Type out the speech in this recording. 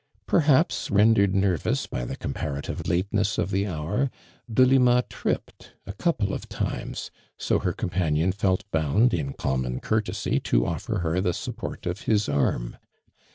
Perhaps rendered nervous by the compara tive lateness of the hour, Delima tripped a couple of times, so her companion felt bound in common courtesy to offer her the support of his arm.